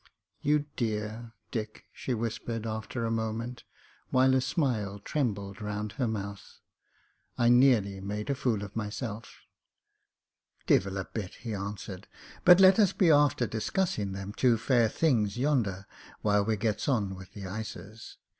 "You dear, Dick," she whispered, after a moment, while a smile trembled round her mouth. "I nearly made a fool of myself." "Divil a bit,"* he answered. "But let us be after dis cussing them two fair things yonder while we gets on with the ices.